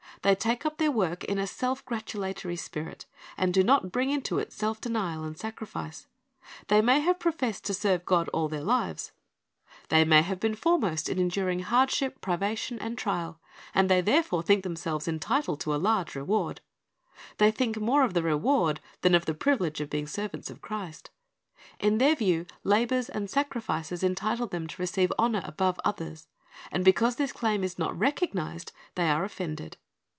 They take up their work in a self gratulatory spirit, and do not bring into it self denial and sacrifice. They may have professed to serve God all their lives; they may have been foremost in 400 C liri s t's Object Lessons enduring hardship, privation, and trial, and they therefore think themselves entitled to a large reward. They think more of the reward than of the privilege of being servants of Christ. In their view their labors and sacrifices entitle them to receive honor above others, and because this claim is not recognized, they are offended.